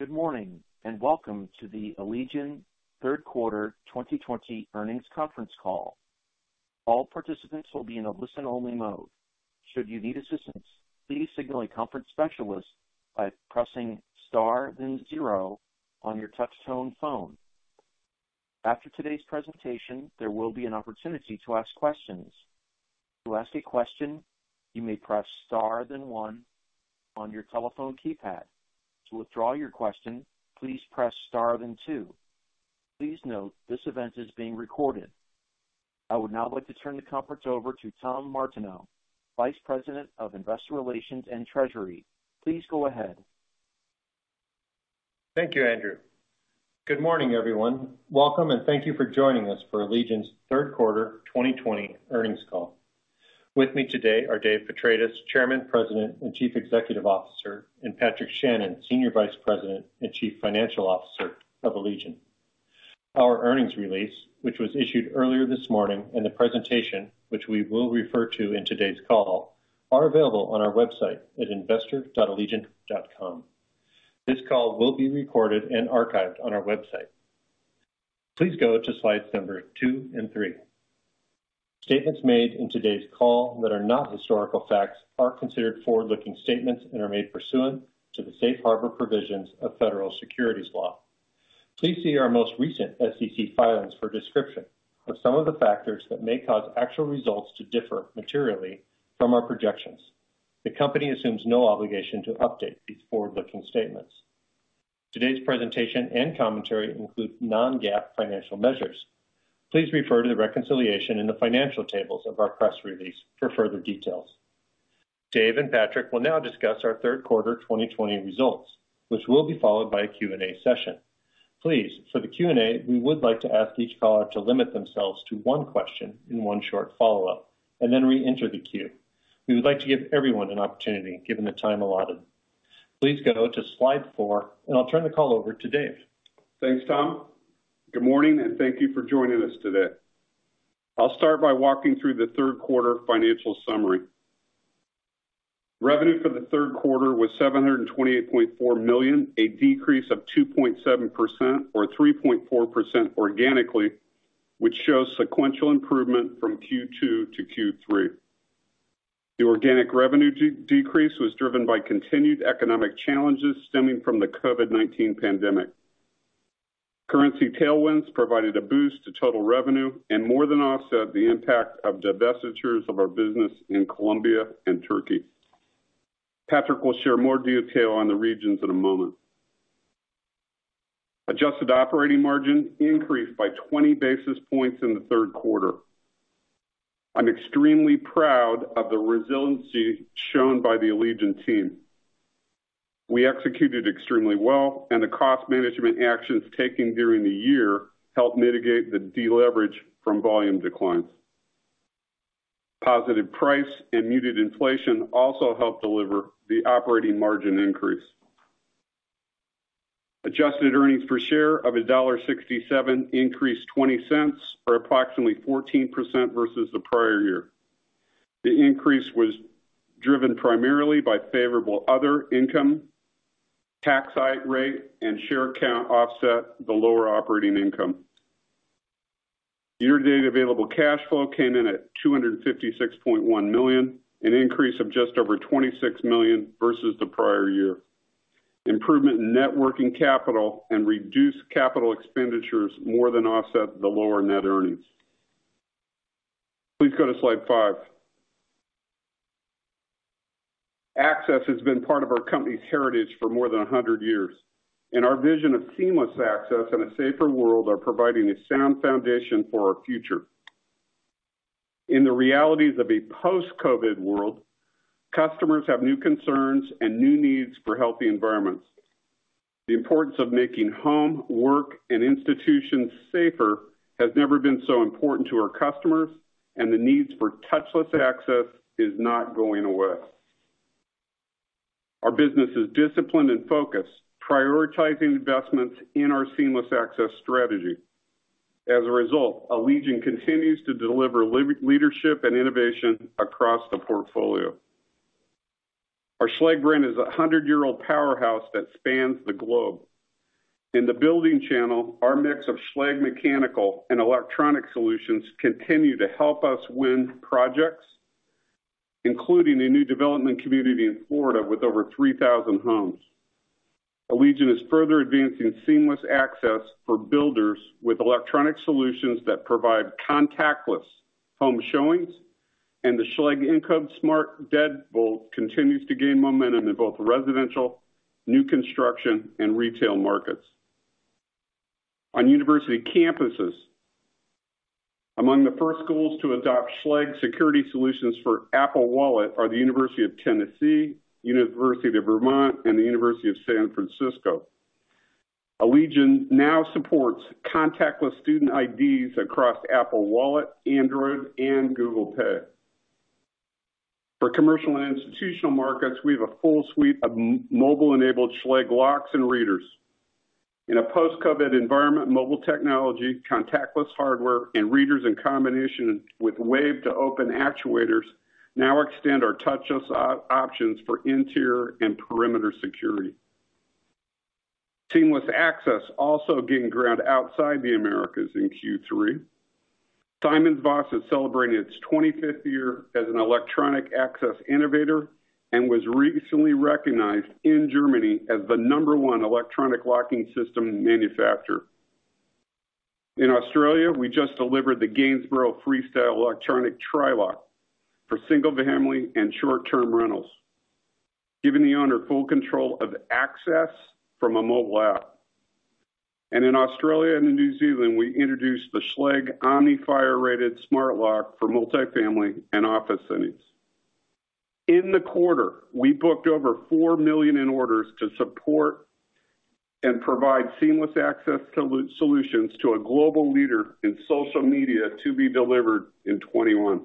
Good morning, and welcome to the Allegion Q3 2020 earnings conference call. I would now like to turn the conference over to Tom Martineau, Vice President, Investor Relations and Treasurer. Please go ahead. Thank you, Andrew. Good morning, everyone. Welcome, and thank you for joining us for Allegion's Q3 2020 earnings call. With me today are Dave Petratis, Chairman, President, and Chief Executive Officer, and Patrick Shannon, Senior Vice President and Chief Financial Officer of Allegion. Our earnings release, which was issued earlier this morning, and the presentation, which we will refer to in today's call, are available on our website at investor.allegion.com. This call will be recorded and archived on our website. Please go to slides number two and three. Statements made in today's call that are not historical facts are considered forward-looking statements and are made pursuant to the safe harbor provisions of federal securities law. Please see our most recent SEC filings for a description of some of the factors that may cause actual results to differ materially from our projections. The company assumes no obligation to update these forward-looking statements. Today's presentation and commentary includes non-GAAP financial measures. Please refer to the reconciliation in the financial tables of our press release for further details. Dave and Patrick will now discuss our Q3 2020 results, which will be followed by a Q&A session. Please, for the Q&A, we would like to ask each caller to limit themselves to one question and one short follow-up, and then reenter the queue. We would like to give everyone an opportunity, given the time allotted. Please go to slide four, and I'll turn the call over to Dave. Thanks, Tom. Good morning, and thank you for joining us today. I'll start by walking through the Q3 financial summary. Revenue for the Q3 was $728.4 million, a decrease of 2.7%, or 3.4% organically, which shows sequential improvement from Q2 - Q3. The organic revenue decrease was driven by continued economic challenges stemming from the COVID-19 pandemic. Currency tailwinds provided a boost to total revenue and more than offset the impact of divestitures of our business in Colombia and Turkey. Patrick will share more detail on the regions in a moment. Adjusted operating margin increased by 20 basis points in the Q3. I'm extremely proud of the resiliency shown by the Allegion team. We executed extremely well, and the cost management actions taken during the year helped mitigate the deleverage from volume declines. Positive price and muted inflation also helped deliver the operating margin increase. Adjusted earnings per share of $1.67 increased $0.20, or approximately 14% versus the prior year. The increase was driven primarily by favorable other income, tax rate, and share count offset the lower operating income. Year-to-date available cash flow came in at $256.1 million, an increase of just over $26 million versus the prior year. Improvement in net working capital and reduced capital expenditures more than offset the lower net earnings. Please go to slide five. Access has been part of our company's heritage for more than 100 years, and our vision of Seamless Access and a safer world are providing a sound foundation for our future. In the realities of a post-COVID-19 world, customers have new concerns and new needs for healthy environments. The importance of making home, work, and institutions safer has never been so important to our customers, and the need for touchless access is not going away. Our business is disciplined and focused, prioritizing investments in our Seamless Access strategy. As a result, Allegion continues to deliver leadership and innovation across the portfolio. Our Schlage brand is a 100-year-old powerhouse that spans the globe. In the building channel, our mix of Schlage mechanical and electronic solutions continue to help us win projects, including a new development community in Florida with over 3,000 homes. Allegion is further advancing Seamless Access for builders with electronic solutions that provide contactless home showings, and the Schlage Encode smart deadbolt continues to gain momentum in both residential, new construction, and retail markets. On university campuses, among the first schools to adopt Schlage security solutions for Apple Wallet are the University of Tennessee, University of Vermont, and the University of San Francisco. Allegion now supports contactless student IDs across Apple Wallet, Android, and Google Pay. For commercial and institutional markets, we have a full suite of mobile-enabled Schlage locks and readers. In a post-COVID-19 environment, mobile technology, contactless hardware, and readers in combination with wave-to-open actuators now extend our touchless options for interior and perimeter security. Seamless Access also gained ground outside the Americas in Q3. SimonsVoss is celebrating its 25th year as an electronic access innovator and was recently recognized in Germany as the number one electronic locking system manufacturer. In Australia, we just delivered the Gainsborough Freestyle electronic tri-lock for single family and short-term rentals, giving the owner full control of access from a mobile app. In Australia and in New Zealand, we introduced the Schlage Omnia fire-rated smart lock for multifamily and office settings. In the quarter, we booked over $4 million in orders to support and provide Seamless Access solutions to a global leader in social media to be delivered in 2021.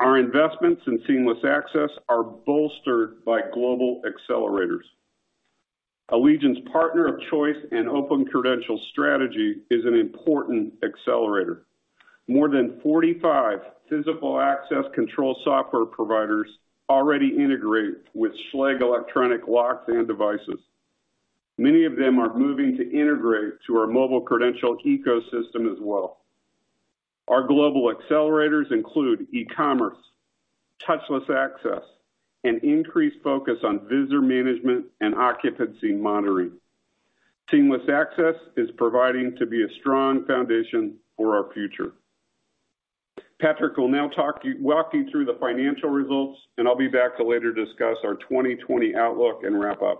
Our investments in Seamless Access are bolstered by global accelerators. Allegion's partner of choice and open credential strategy is an important accelerator. More than 45 physical access control software providers already integrate with Schlage electronic locks and devices. Many of them are moving to integrate to our mobile credential ecosystem as well. Our global accelerators include e-commerce, touchless access, and increased focus on visitor management and occupancy monitoring. Seamless Access is proving to be a strong foundation for our future. Patrick will now walk you through the financial results, and I'll be back to later discuss our 2020 outlook and wrap up.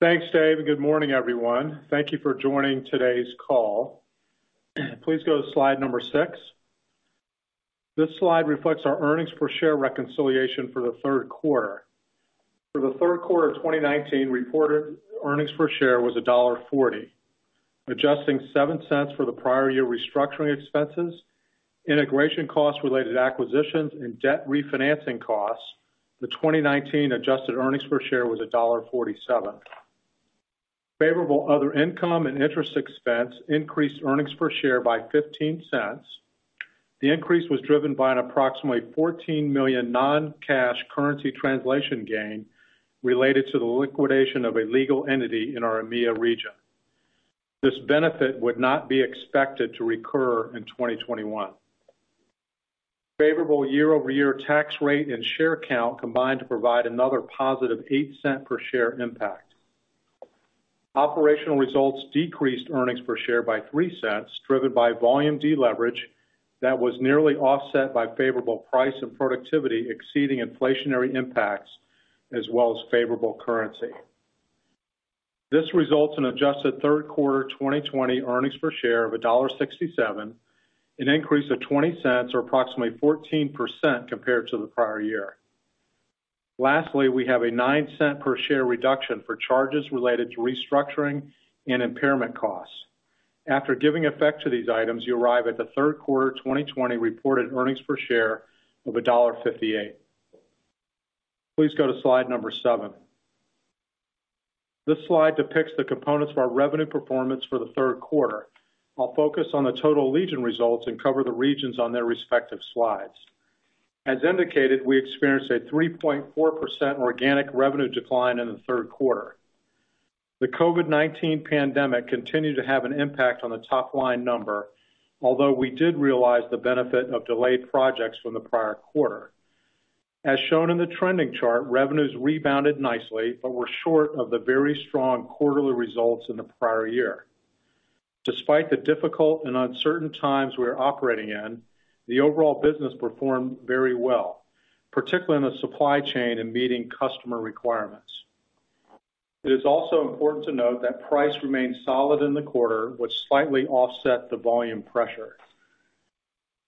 Thanks, Dave, good morning, everyone. Thank you for joining today's call. Please go to slide number six. This slide reflects our earnings per share reconciliation for the Q3. For the Q3 of 2019, reported earnings per share was $1.40. Adjusting $0.07 for the prior year restructuring expenses, integration costs related acquisitions, and debt refinancing costs, the 2019 adjusted earnings per share was $1.47. Favorable other income and interest expense increased earnings per share by $0.15. The increase was driven by an approximately $14 million non-cash currency translation gain related to the liquidation of a legal entity in our EMEIA region. This benefit would not be expected to recur in 2021. Favorable year-over-year tax rate and share count combined to provide another positive $0.08 per share impact. Operational results decreased earnings per share by $0.03, driven by volume deleverage that was nearly offset by favorable price and productivity exceeding inflationary impacts as well as favorable currency. This results in adjusted Q3 2020 earnings per share of $1.67, an increase of $0.20 or approximately 14% compared to the prior year. Lastly, we have a $0.09 per share reduction for charges related to restructuring and impairment costs. After giving effect to these items, you arrive at the Q3 2020 reported earnings per share of $1.58. Please go to slide number seven. This slide depicts the components of our revenue performance for the Q3. I'll focus on the total Allegion results and cover the regions on their respective slides. As indicated, we experienced a 3.4% organic revenue decline in the Q3. The COVID-19 pandemic continued to have an impact on the top-line number, although we did realize the benefit of delayed projects from the prior quarter. As shown in the trending chart, revenues rebounded nicely but were short of the very strong quarterly results in the prior year. Despite the difficult and uncertain times we're operating in, the overall business performed very well, particularly in the supply chain in meeting customer requirements. It is also important to note that price remained solid in the quarter, which slightly offset the volume pressure.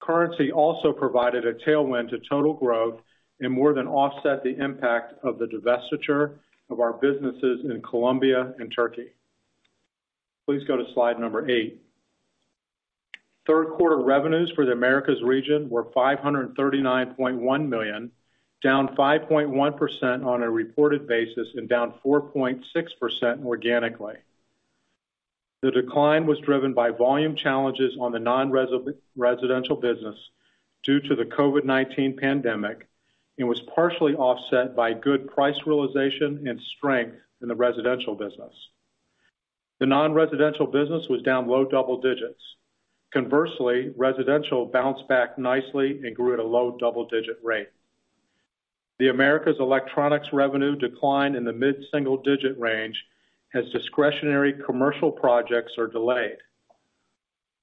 Currency also provided a tailwind to total growth and more than offset the impact of the divestiture of our businesses in Colombia and Turkey. Please go to slide number eight. Q3 revenues for the Americas region were $539.1 million, down 5.1% on a reported basis and down 4.6% organically. The decline was driven by volume challenges on the non-residential business due to the COVID-19 pandemic and was partially offset by good price realization and strength in the residential business. The non-residential business was down low double digits. Conversely, residential bounced back nicely and grew at a low double-digit rate. The Americas electronics revenue declined in the mid-single digit range as discretionary commercial projects are delayed.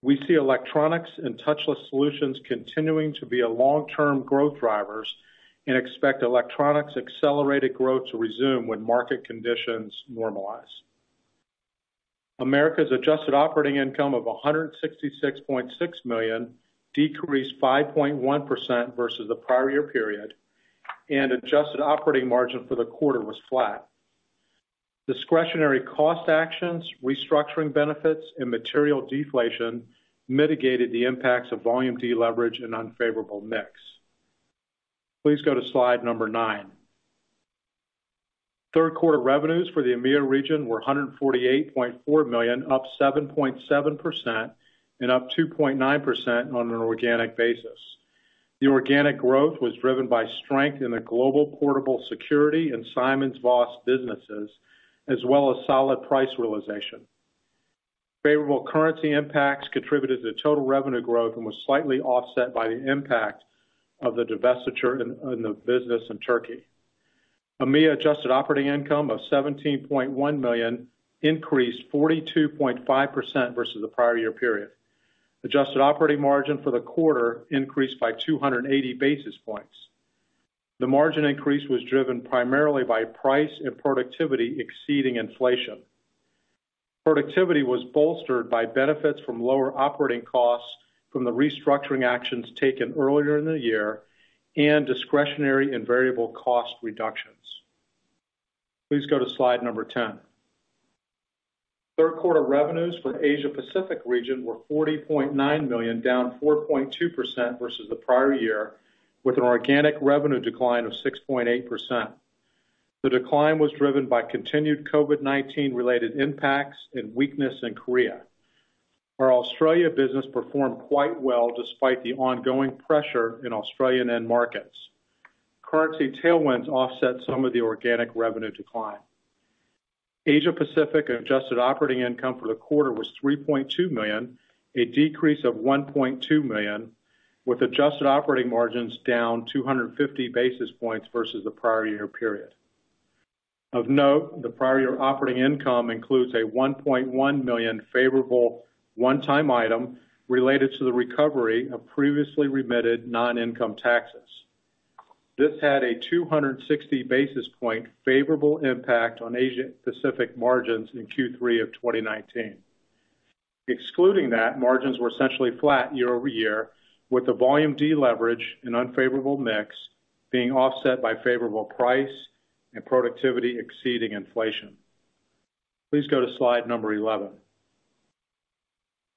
We see electronics and touchless solutions continuing to be a long-term growth drivers and expect electronics accelerated growth to resume when market conditions normalize. Americas adjusted operating income of $166.6 million decreased 5.1% versus the prior year period, and adjusted operating margin for the quarter was flat. Discretionary cost actions, restructuring benefits, and material deflation mitigated the impacts of volume deleverage and unfavorable mix. Please go to slide number nine. Q3 revenues for the EMEIA region were $148.4 million, up 7.7%, and up 2.9% on an organic basis. The organic growth was driven by strength in the global portable security and SimonsVoss businesses, as well as solid price realization. Favorable currency impacts contributed to total revenue growth and was slightly offset by the impact of the divestiture in the business in Turkey. EMEIA adjusted operating income of $17.1 million increased 42.5% versus the prior year period. Adjusted operating margin for the quarter increased by 280 basis points. The margin increase was driven primarily by price and productivity exceeding inflation. Productivity was bolstered by benefits from lower operating costs from the restructuring actions taken earlier in the year and discretionary and variable cost reductions. Please go to slide number 10. Q3 revenues for Asia Pacific region were $40.9 million, down 4.2% versus the prior year, with an organic revenue decline of 6.8%. The decline was driven by continued COVID-19 related impacts and weakness in Korea. Our Australia business performed quite well despite the ongoing pressure in Australian end markets. Currency tailwinds offset some of the organic revenue decline. Asia Pacific adjusted operating income for the quarter was $3.2 million, a decrease of $1.2 million, with adjusted operating margins down 250 basis points versus the prior year period. Of note, the prior year operating income includes a $1.1 million favorable one-time item related to the recovery of previously remitted non-income taxes. This had a 260 basis point favorable impact on Asia Pacific margins in Q3 of 2019. Excluding that, margins were essentially flat year-over-year, with the volume deleverage and unfavorable mix being offset by favorable price and productivity exceeding inflation. Please go to slide number 11.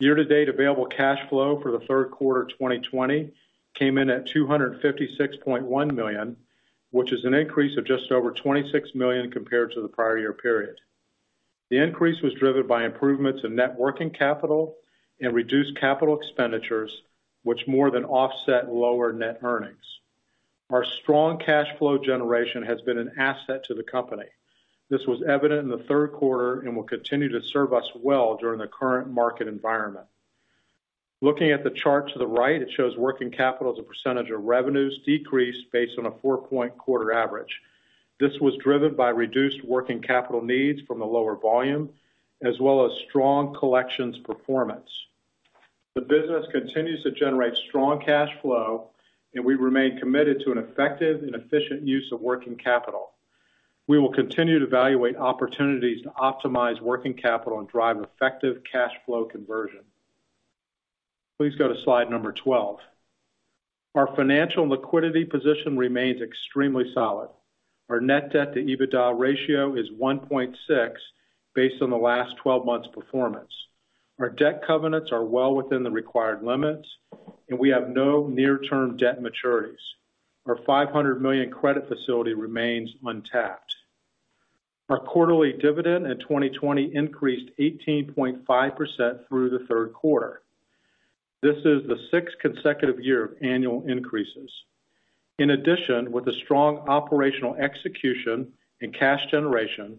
Year-to-date available cash flow for the third quarter 2020 came in at $256.1 million, which is an increase of just over $26 million compared to the prior year period. The increase was driven by improvements in net working capital and reduced capital expenditures, which more than offset lower net earnings. Our strong cash flow generation has been an asset to the company. This was evident in the Q3 and will continue to serve us well during the current market environment. Looking at the chart to the right, it shows working capital as a percentage of revenues decreased based on a four-point quarter average. This was driven by reduced working capital needs from the lower volume, as well as strong collections performance. The business continues to generate strong cash flow, and we remain committed to an effective and efficient use of working capital. We will continue to evaluate opportunities to optimize working capital and drive effective cash flow conversion. Please go to slide number 12. Our financial liquidity position remains extremely solid. Our net debt to EBITDA ratio is 1.6 based on the last 12 months performance. Our debt covenants are well within the required limits, and we have no near-term debt maturities. Our $500 million credit facility remains untapped. Our quarterly dividend in 2020 increased 18.5% through the Q3. This is the sixth consecutive year of annual increases. With the strong operational execution and cash generation,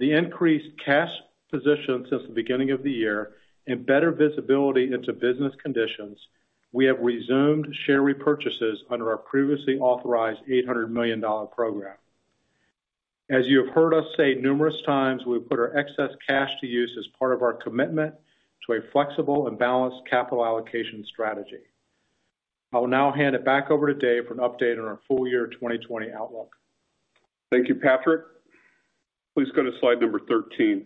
the increased cash position since the beginning of the year, and better visibility into business conditions, we have resumed share repurchases under our previously authorized $800 million program. As you have heard us say numerous times, we've put our excess cash to use as part of our commitment to a flexible and balanced capital allocation strategy. I will now hand it back over to Dave for an update on our full year 2020 outlook. Thank you, Patrick. Please go to slide number 13.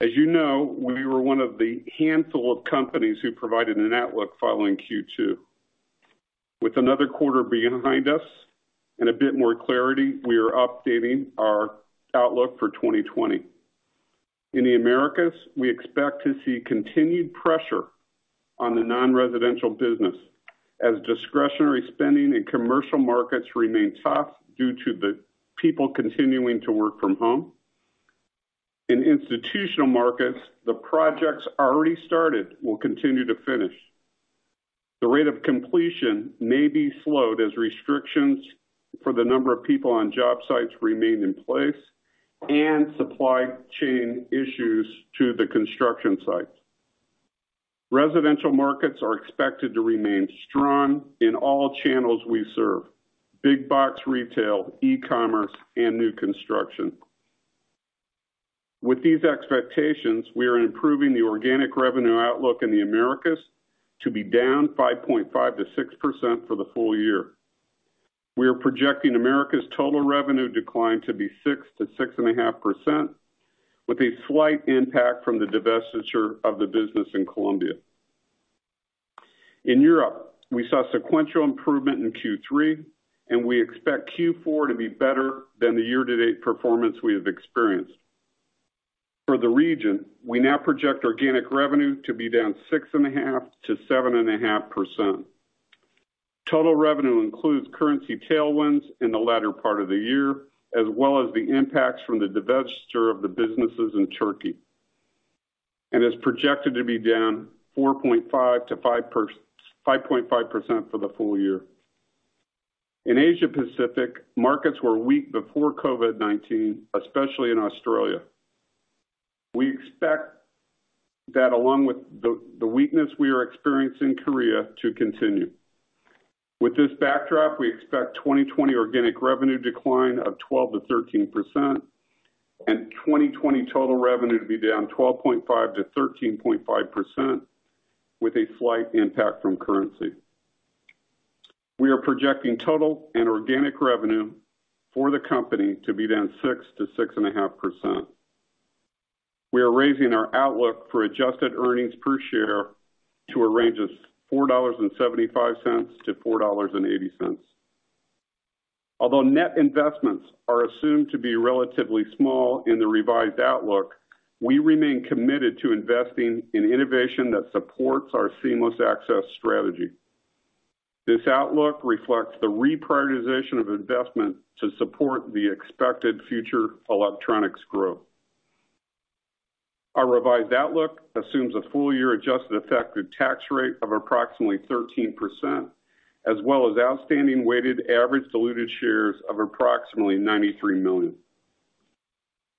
As you know, we were one of the handful of companies who provided an outlook following Q2. With another quarter behind us and a bit more clarity, we are updating our outlook for 2020. In the Americas, we expect to see continued pressure on the non-residential business as discretionary spending in commercial markets remain tough due to the people continuing to work from home. In institutional markets, the projects already started will continue to finish. The rate of completion may be slowed as restrictions for the number of people on job sites remain in place and supply chain issues to the construction sites. Residential markets are expected to remain strong in all channels we serve: big box retail, e-commerce, and new construction. With these expectations, we are improving the organic revenue outlook in the Americas to be down 5.5%-6% for the full year. We are projecting Americas' total revenue decline to be 6%-6.5% with a slight impact from the divestiture of the business in Colombia. In Europe, we saw sequential improvement in Q3. We expect Q4 to be better than the year-to-date performance we have experienced. For the region, we now project organic revenue to be down 6.5%-7.5%. Total revenue includes currency tailwinds in the latter part of the year, as well as the impacts from the divestiture of the businesses in Turkey, and is projected to be down 4.5%-5.5% for the full year. In Asia Pacific, markets were weak before COVID-19, especially in Australia. We expect that along with the weakness we are experiencing in Korea to continue. With this backdrop, we expect 2020 organic revenue decline of 12%-13%, and 2020 total revenue to be down 12.5%-13.5%, with a slight impact from currency. We are projecting total and organic revenue for the company to be down 6%-6.5%. We are raising our outlook for adjusted earnings per share to a range of $4.75-$4.80. Although net investments are assumed to be relatively small in the revised outlook, we remain committed to investing in innovation that supports our Seamless Access strategy. This outlook reflects the reprioritization of investment to support the expected future electronics growth. Our revised outlook assumes a full-year adjusted effective tax rate of approximately 13%, as well as outstanding weighted average diluted shares of approximately 93 million.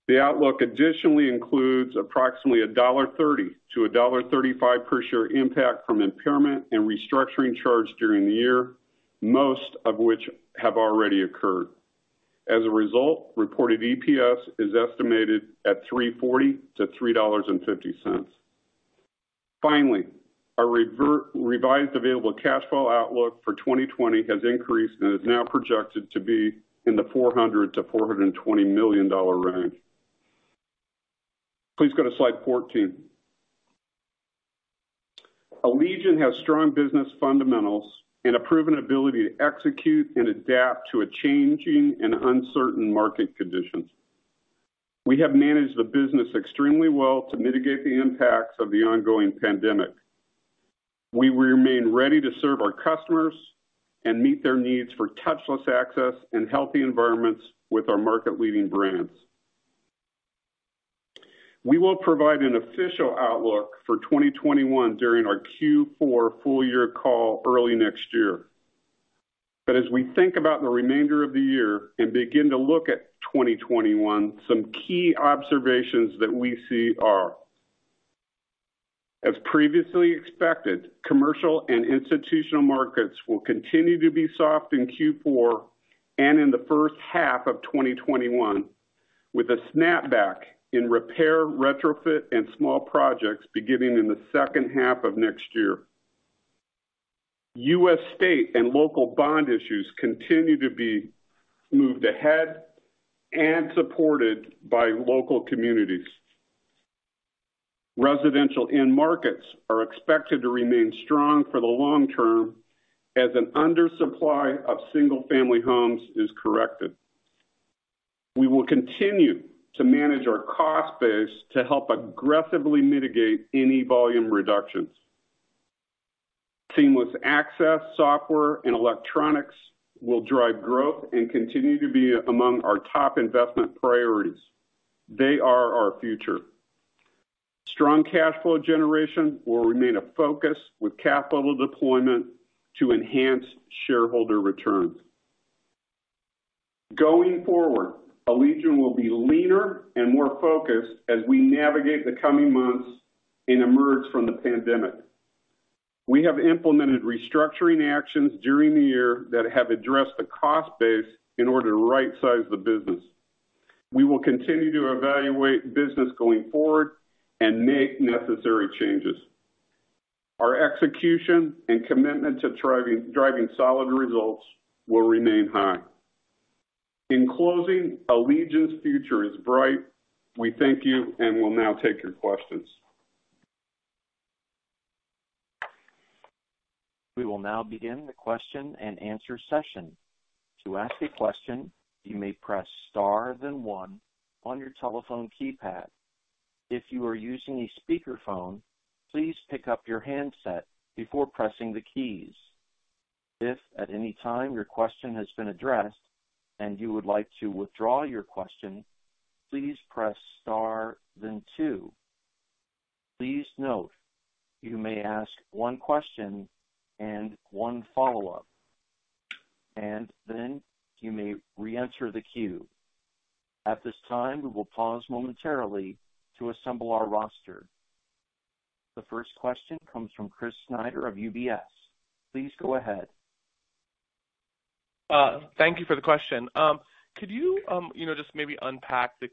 The outlook additionally includes approximately $1.30-$1.35 per share impact from impairment and restructuring charge during the year, most of which have already occurred. As a result, reported EPS is estimated at $3.40-$3.50. Our revised available cash flow outlook for 2020 has increased and is now projected to be in the $400 million-$420 million range. Please go to slide 14. Allegion has strong business fundamentals and a proven ability to execute and adapt to a changing and uncertain market condition. We have managed the business extremely well to mitigate the impacts of the ongoing pandemic. We remain ready to serve our customers and meet their needs for touchless access and healthy environments with our market-leading brands. We will provide an official outlook for 2021 during our Q4 full-year call early next year. As we think about the remainder of the year and begin to look at 2021, some key observations that we see are: as previously expected, commercial and institutional markets will continue to be soft in Q4 and in the first half of 2021, with a snapback in repair, retrofit, and small projects beginning in the second half of next year. U.S. state and local bond issues continue to be moved ahead and supported by local communities. Residential end markets are expected to remain strong for the long term as an undersupply of single-family homes is corrected. We will continue to manage our cost base to help aggressively mitigate any volume reductions. Seamless Access software and electronics will drive growth and continue to be among our top investment priorities. They are our future. Strong cash flow generation will remain a focus, with capital deployment to enhance shareholder returns. Going forward, Allegion will be leaner and more focused as we navigate the coming months and emerge from the pandemic. We have implemented restructuring actions during the year that have addressed the cost base in order to rightsize the business. We will continue to evaluate business going forward and make necessary changes. Our execution and commitment to driving solid results will remain high. In closing, Allegion's future is bright. We thank you, and we'll now take your questions. The first question comes from Chris Snyder of UBS. Please go ahead. Thank you for the question. Could you just maybe unpack the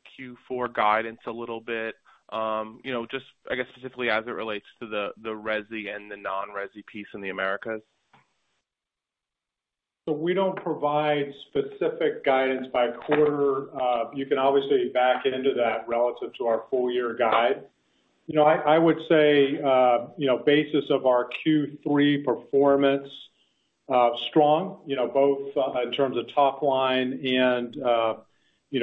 Q4 guidance a little bit? Just, I guess, specifically as it relates to the resi and the non-resi piece in the Americas? We don't provide specific guidance by quarter. You can obviously back into that relative to our full-year guide. I would say, basis of our Q3 performance strong, both in terms of top line and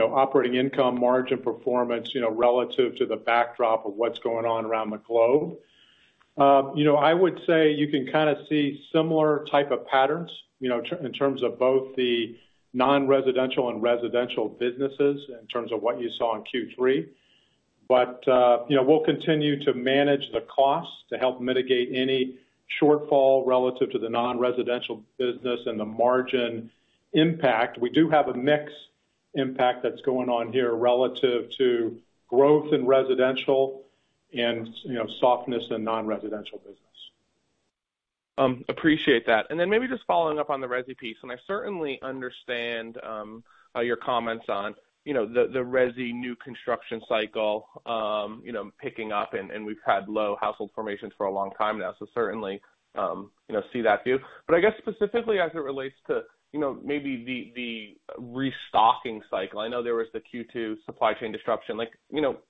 operating income margin performance relative to the backdrop of what's going on around the globe. I would say you can kind of see similar type of patterns in terms of both the non-residential and residential businesses, in terms of what you saw in Q3. We'll continue to manage the costs to help mitigate any shortfall relative to the non-residential business and the margin impact. We do have a mix impact that's going on here relative to growth in residential and softness in non-residential business. Appreciate that. Maybe just following up on the resi piece, I certainly understand your comments on the resi new construction cycle picking up, we've had low household formations for a long time now, certainly see that view. I guess specifically as it relates to maybe the restocking cycle, I know there was the Q2 supply chain disruption.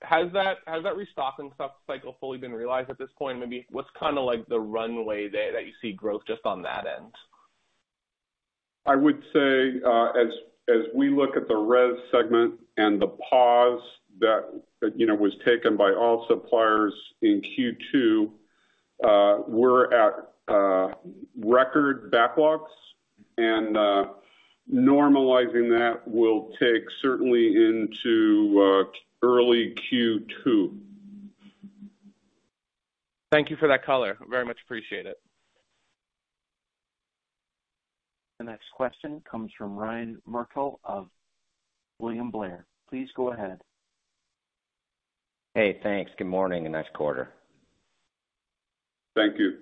Has that restocking cycle fully been realized at this point? Maybe what's kind of the runway there that you see growth just on that end? I would say, as we look at the res segment and the pause that was taken by all suppliers in Q2, we're at record backlogs, and normalizing that will take certainly into early Q2. Thank you for that color. Very much appreciate it. The next question comes from Ryan Merkel of William Blair. Please go ahead. Hey, thanks. Good morning, and nice quarter. Thank you.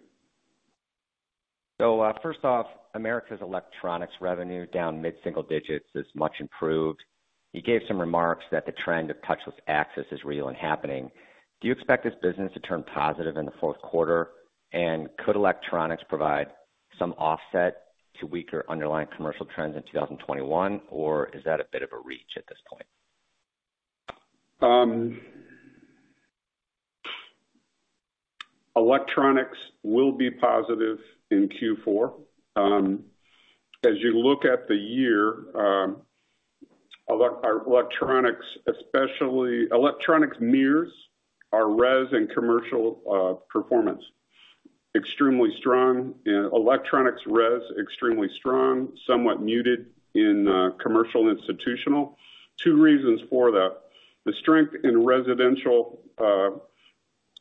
First off, Americas Electronics revenue down mid-single digits is much improved. You gave some remarks that the trend of touchless access is real and happening. Do you expect this business to turn positive in the Q4? Could electronics provide some offset to weaker underlying commercial trends in 2021? Is that a bit of a reach at this point? Electronics will be positive in Q4. As you look at the year, our electronics mirrors our res and commercial performance. Extremely strong in electronics res, extremely strong, somewhat muted in commercial institutional. Two reasons for that. The strength in residential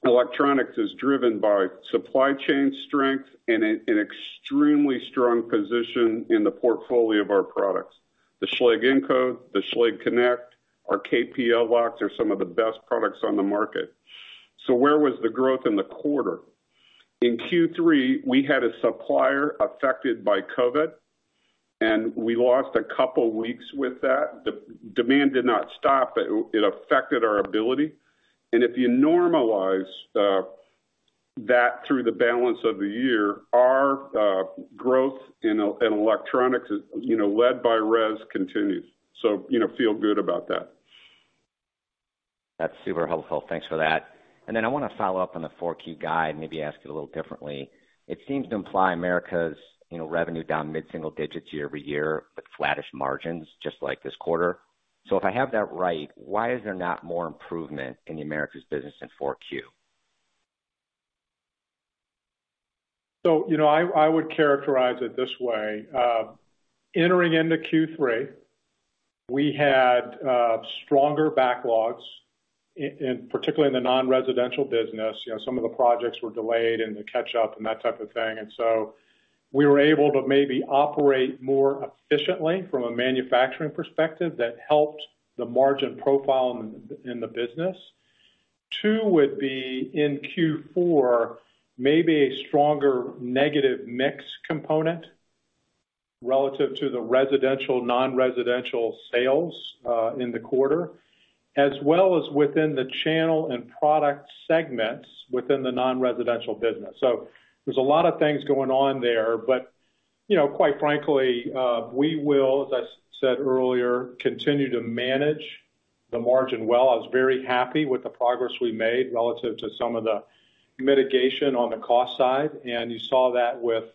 electronics is driven by supply chain strength and an extremely strong position in the portfolio of our products. The Schlage Encode, the Schlage Connect, our KPL locks are some of the best products on the market. Where was the growth in the quarter? In Q3, we had a supplier affected by COVID, and we lost a couple weeks with that. The demand did not stop, it affected our ability. If you normalize that through the balance of the year, our growth in electronics, led by res, continues. Feel good about that. That's super helpful. Thanks for that. I want to follow up on the 4Q guide, maybe ask it a little differently. It seems to imply Americas revenue down mid-single digits year-over-year, but flattish margins, just like this quarter. If I have that right, why is there not more improvement in the Americas business in 4Q? I would characterize it this way. Entering into Q3, we had stronger backlogs, particularly in the non-residential business. Some of the projects were delayed and the catch-up and that type of thing. We were able to maybe operate more efficiently from a manufacturing perspective that helped the margin profile in the business. Two would be in Q4, maybe a stronger negative mix component relative to the residential, non-residential sales in the quarter, as well as within the channel and product segments within the non-residential business. There's a lot of things going on there. Quite frankly, we will, as I said earlier, continue to manage the margin well. I was very happy with the progress we made relative to some of the mitigation on the cost side, and you saw that with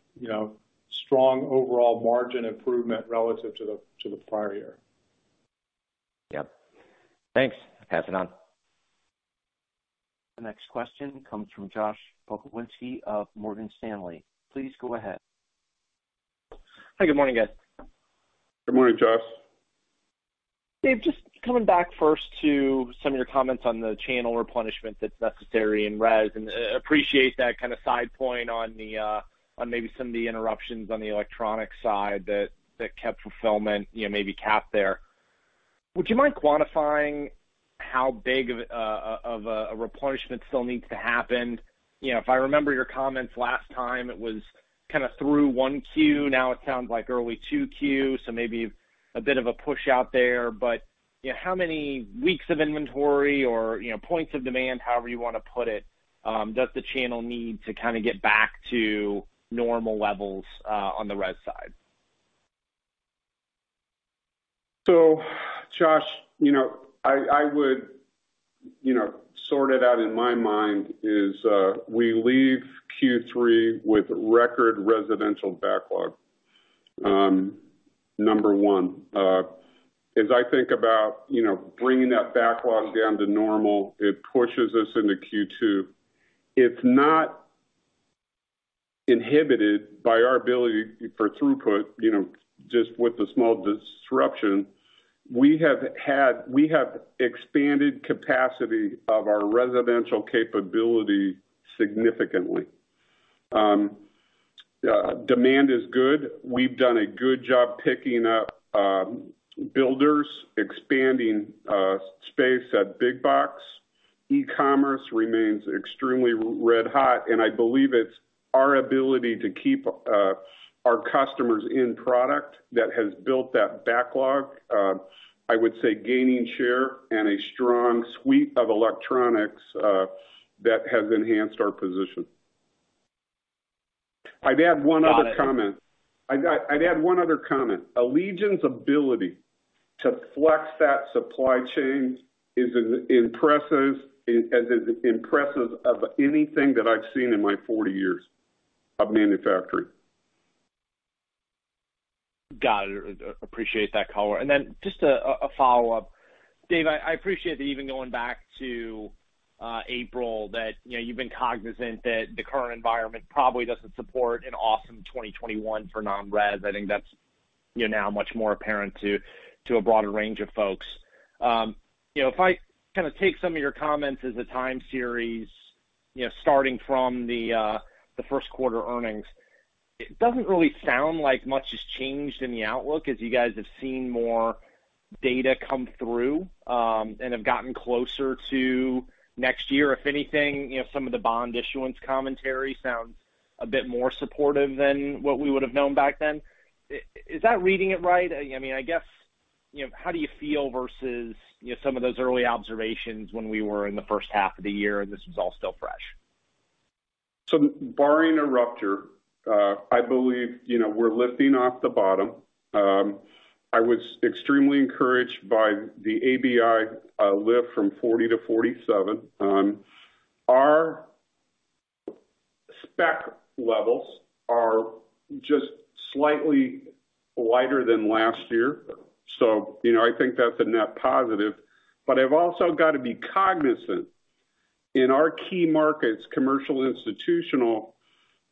strong overall margin improvement relative to the prior year. Yep. Thanks. Pass it on. The next question comes from Josh Pokrzywinski of Morgan Stanley. Please go ahead. Hi, good morning, guys. Good morning, Josh. Dave, just coming back first to some of your comments on the channel replenishment that's necessary in res, and appreciate that kind of side point on maybe some of the interruptions on the electronic side that kept fulfillment maybe capped there. Would you mind quantifying how big of a replenishment still needs to happen? If I remember your comments last time, it was kind of through 1Q. Now it sounds like early 2Q, so maybe a bit of a push out there. How many weeks of inventory or points of demand, however you want to put it, does the channel need to kind of get back to normal levels on the res side? Josh, I would sort it out in my mind is, we leave Q3 with record residential backlog, number one. As I think about bringing that backlog down to normal, it pushes us into Q2. It's not inhibited by our ability for throughput, just with a small disruption. We have expanded capacity of our residential capability significantly. Demand is good. We've done a good job picking up builders, expanding space at big box. E-commerce remains extremely red hot. I believe it's our ability to keep our customers in product that has built that backlog. I would say gaining share and a strong suite of electronics that has enhanced our position. I'd add one other comment. Allegion's ability to flex that supply chain is as impressive of anything that I've seen in my 40 years of manufacturing. Got it. Appreciate that color. Just a follow-up. Dave, I appreciate that even going back to April, that you've been cognizant that the current environment probably doesn't support an awesome 2021 for non-res. I think that's now much more apparent to a broader range of folks. If I take some of your comments as a time series, starting from the Q1 earnings, it doesn't really sound like much has changed in the outlook as you guys have seen more data come through, and have gotten closer to next year. If anything, some of the bond issuance commentary sounds a bit more supportive than what we would've known back then. Is that reading it right? I guess, how do you feel versus some of those early observations when we were in the first half of the year and this was all still fresh? Barring a rupture, I believe, we're lifting off the bottom. I was extremely encouraged by the ABI lift from 40 - 47. Our spec levels are just slightly lighter than last year, so I think that's a net positive, but I've also got to be cognizant. In our key markets, commercial, institutional,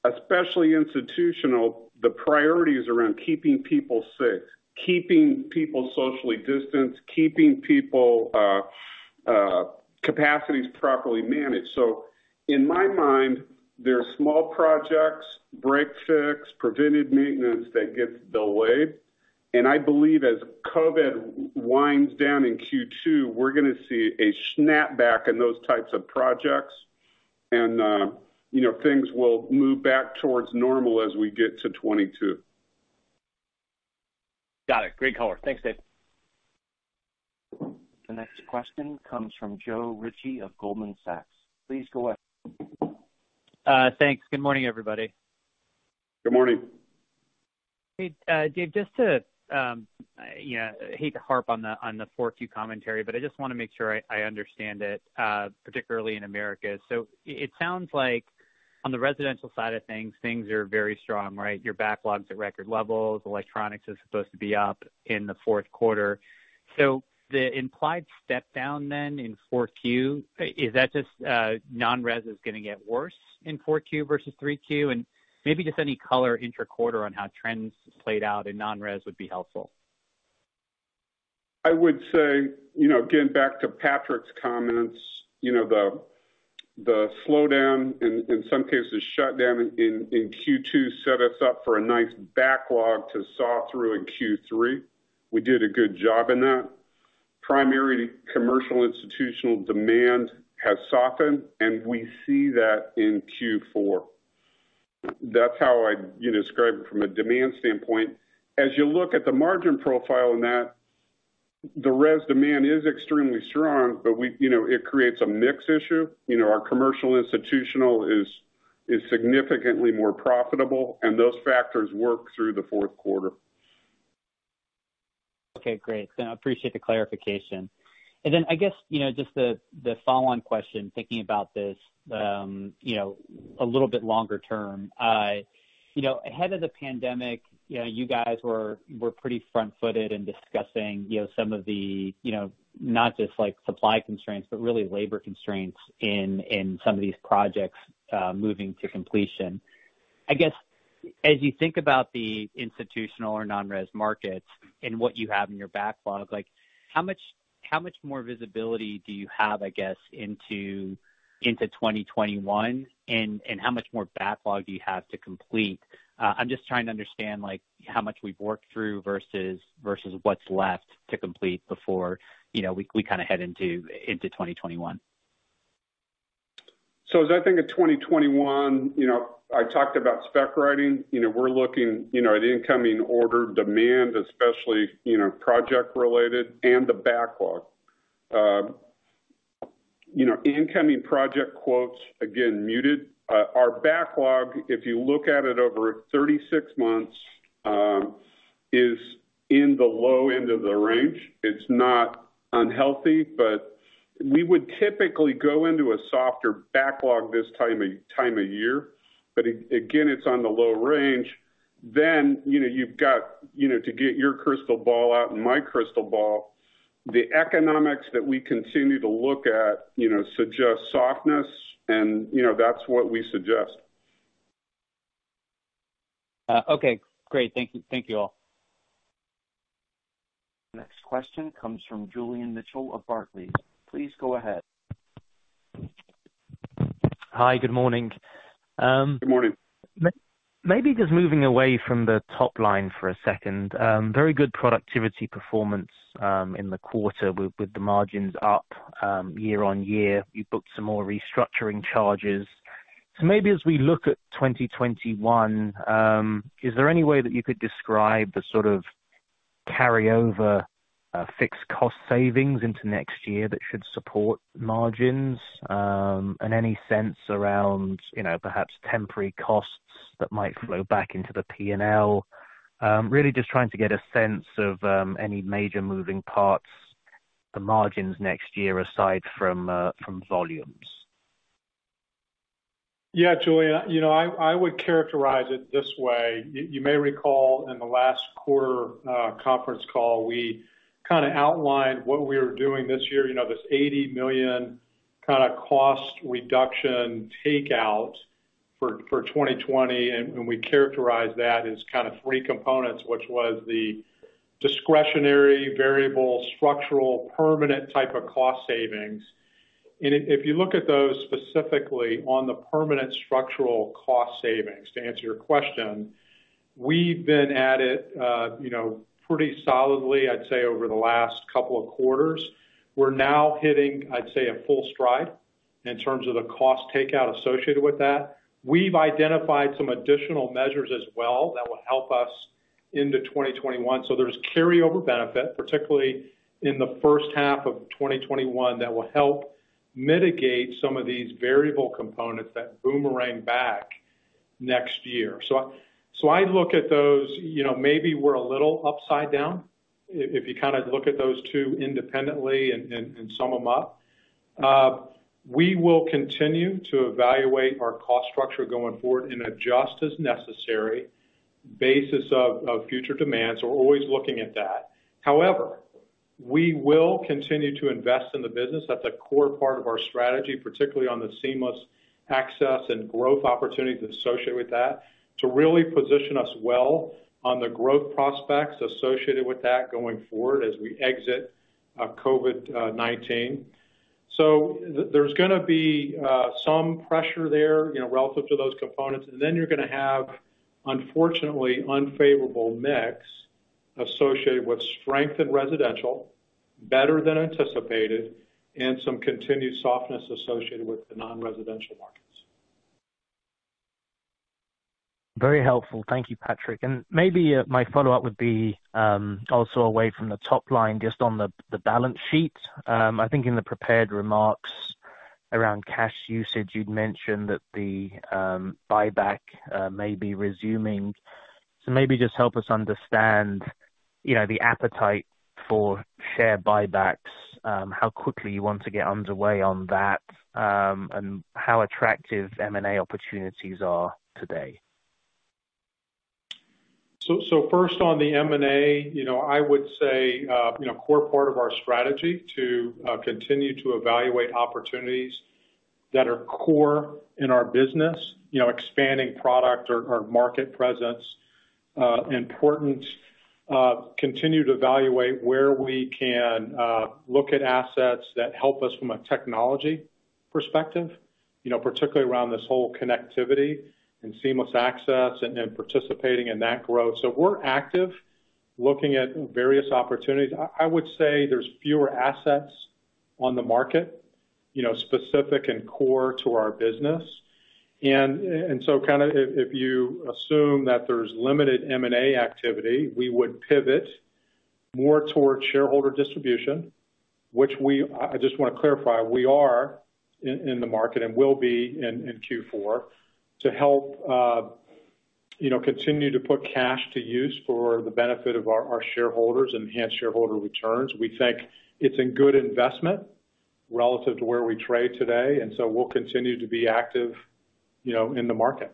especially institutional, the priority is around keeping people safe, keeping people socially distanced, keeping people capacities properly managed. In my mind, they're small projects, break-fix, preventive maintenance that gets delayed. I believe as COVID-19 winds down in Q2, we're going to see a snap back in those types of projects, and things will move back towards normal as we get to 2022. Got it. Great color. Thanks, Dave. The next question comes from Joe Ritchie of Goldman Sachs. Please go ahead. Thanks. Good morning, everybody. Good morning. Hey, Dave, I hate to harp on the 4Q commentary, but I just want to make sure I understand it, particularly in Americas. It sounds like on the residential side of things are very strong, right? Your backlog's at record levels. Electronics is supposed to be up in the Q4. The implied step down then in 4Q, is that just non-res is going to get worse in 4Q versus 3Q? Maybe just any color intra-quarter on how trends played out in non-res would be helpful. I would say, getting back to Patrick's comments, the slowdown, in some cases shutdown, in Q2 set us up for a nice backlog to saw through in Q3. We did a good job in that. Primary commercial institutional demand has softened, and we see that in Q4. That's how I describe it from a demand standpoint. As you look at the margin profile in that, the res demand is extremely strong, but it creates a mix issue. Our commercial institutional is significantly more profitable, and those factors work through the Q4. Okay, great. I appreciate the clarification. I guess, just the follow-on question, thinking about this a little bit longer term. Ahead of the pandemic, you guys were pretty front-footed in discussing some of the, not just supply constraints, but really labor constraints in some of these projects moving to completion. I guess as you think about the institutional or non-res markets and what you have in your backlog, how much more visibility do you have, I guess, into 2021, and how much more backlog do you have to complete? I'm just trying to understand how much we've worked through versus what's left to complete before we head into 2021. As I think of 2021, I talked about spec writing. We're looking at incoming order demand, especially project related and the backlog. Incoming project quotes, again, muted. Our backlog, if you look at it over 36 months, is in the low end of the range. It's not unhealthy, but we would typically go into a softer backlog this time of year. Again, it's on the low range. You've got to get your crystal ball out and my crystal ball, the economics that we continue to look at suggest softness, and that's what we suggest. Okay, great. Thank you all. Next question comes from Julian Mitchell of Barclays. Please go ahead. Hi. Good morning. Good morning. Maybe just moving away from the top line for a second. Very good productivity performance in the quarter with the margins up year-over-year. You've booked some more restructuring charges. Maybe as we look at 2021, is there any way that you could describe the sort of carryover fixed cost savings into next year that should support margins? Any sense around perhaps temporary costs that might flow back into the P&L? Really just trying to get a sense of any major moving parts, the margins next year aside from volumes. Julian, I would characterize it this way. You may recall in the last quarter conference call, we kind of outlined what we are doing this year, this $80 million kind of cost reduction takeout for 2020, we characterized that as kind of three components, which was the discretionary variable structural permanent type of cost savings. If you look at those specifically on the permanent structural cost savings, to answer your question, we've been at it pretty solidly, I'd say, over the last couple of quarters. We're now hitting, I'd say, a full stride in terms of the cost takeout associated with that. We've identified some additional measures as well that will help us into 2021. There's carryover benefit, particularly in the first half of 2021, that will help mitigate some of these variable components that boomerang back next year. I look at those, maybe we're a little upside down if you kind of look at those two independently and sum them up. We will continue to evaluate our cost structure going forward and adjust as necessary basis of future demands. We're always looking at that. However, we will continue to invest in the business. That's a core part of our strategy, particularly on the Seamless Access and growth opportunities associated with that to really position us well on the growth prospects associated with that going forward as we exit COVID-19. There's going to be some pressure there relative to those components. Then you're going to have, unfortunately, unfavorable mix associated with strengthened residential better than anticipated, and some continued softness associated with the non-residential markets. Very helpful. Thank you, Patrick. Maybe my follow-up would be also away from the top line, just on the balance sheet. I think in the prepared remarks around cash usage, you'd mentioned that the buyback may be resuming. Maybe just help us understand the appetite for share buybacks, how quickly you want to get underway on that, and how attractive M&A opportunities are today. First on the M&A, I would say, core part of our strategy to continue to evaluate opportunities that are core in our business, expanding product or market presence. Important, continue to evaluate where we can look at assets that help us from a technology perspective, particularly around this whole connectivity and Seamless Access and participating in that growth. We're active looking at various opportunities. I would say there's fewer assets on the market specific and core to our business. Kind of if you assume that there's limited M&A activity, we would pivot more towards shareholder distribution, which I just want to clarify, we are in the market and will be in Q4 to help continue to put cash to use for the benefit of our shareholders, enhance shareholder returns. We think it's a good investment relative to where we trade today. We'll continue to be active in the market.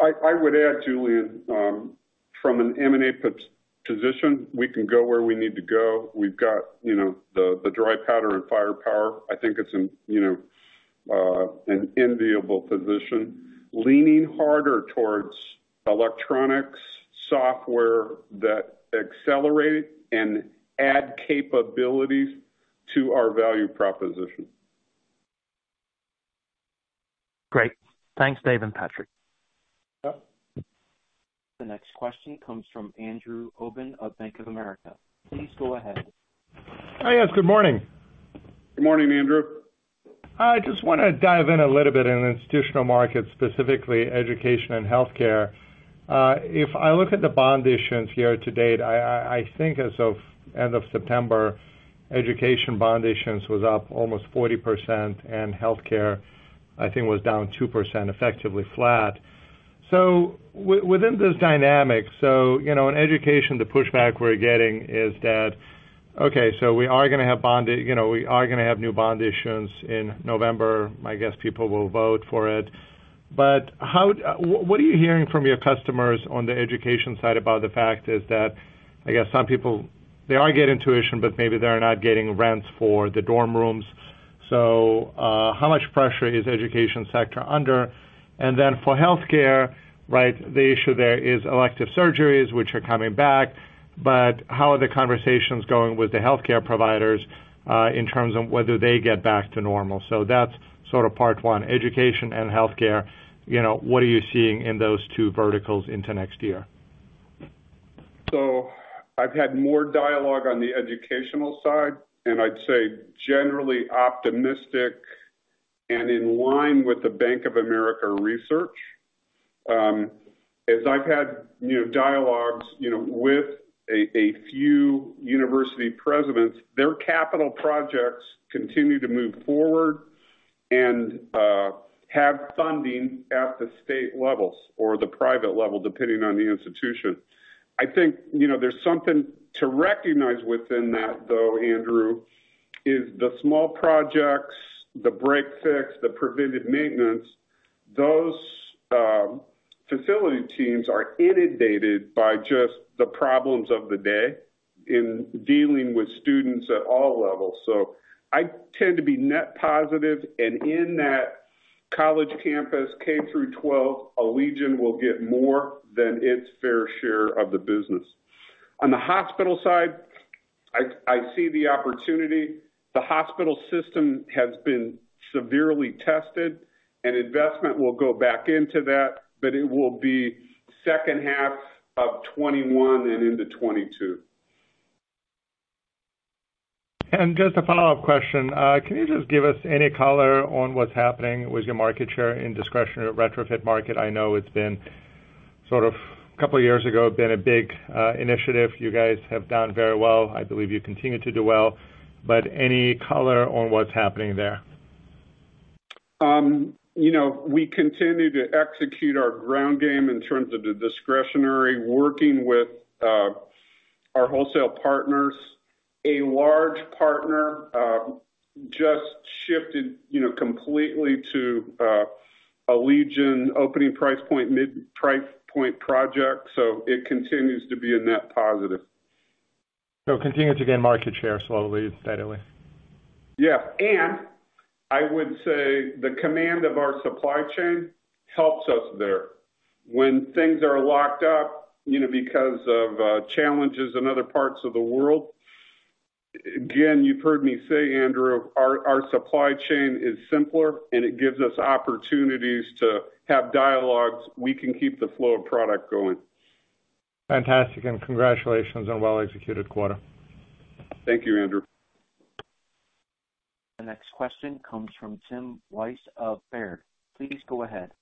I would add, Julian, from an M&A position, we can go where we need to go. We've got the dry powder and firepower. I think it's an enviable position, leaning harder towards electronics software that accelerate and add capabilities to our value proposition. Great. Thanks, Dave and Patrick. The next question comes from Andrew Obin of Bank of America. Please go ahead. Hi, yes. Good morning. Good morning, Andrew. I just want to dive in a little bit in institutional markets, specifically education and healthcare. If I look at the bond issuance year to date, I think as of end of September, education bond issuance was up almost 40%, and healthcare, I think, was down two percent, effectively flat. Within this dynamic, in education, the pushback we're getting is that, okay, we are going to have new bond issuance in November. I guess people will vote for it. What are you hearing from your customers on the education side about the fact is that, I guess some people, they are getting tuition, but maybe they're not getting rents for the dorm rooms. How much pressure is education sector under? For healthcare, right, the issue there is elective surgeries, which are coming back, but how are the conversations going with the healthcare providers, in terms of whether they get back to normal? That's sort of part one, education and healthcare, what are you seeing in those two verticals into next year? I've had more dialogue on the educational side, and I'd say generally optimistic and in line with the Bank of America research. As I've had dialogues with a few university presidents, their capital projects continue to move forward and have funding at the state levels or the private level, depending on the institution. I think, there's something to recognize within that, though, Andrew, is the small projects, the break fix, the preventive maintenance, those facility teams are inundated by just the problems of the day in dealing with students at all levels. I tend to be net positive, and in that college campus, K through 12, Allegion will get more than its fair share of the business. On the hospital side, I see the opportunity. The hospital system has been severely tested, and investment will go back into that, but it will be second half of 2021 and into 2022. Just a follow-up question. Can you just give us any color on what's happening with your market share in discretionary retrofit market? I know it's been sort of, a couple of years ago, been a big initiative. You guys have done very well. I believe you continue to do well. Any color on what's happening there? We continue to execute our ground game in terms of the discretionary, working with our wholesale partners. A large partner just shifted completely to Allegion opening price point, mid-price point project. It continues to be a net positive. Continue to gain market share slowly, steadily. Yes. I would say the command of our supply chain helps us there. When things are locked up because of challenges in other parts of the world, again, you've heard me say, Andrew, our supply chain is simpler, and it gives us opportunities to have dialogues. We can keep the flow of product going. Fantastic. Congratulations on a well-executed quarter. Thank you, Andrew. The next question comes from Timothy Wojs of Baird. Please go ahead.